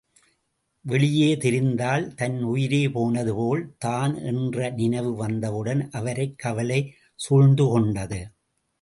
வெளியே தெரிந்தால், தன் உயிரே போனதுபோல் தான் என்ற நினைவு வந்தவுடன், அவரைக் கவலை சூழ்ந்துகொண்டது.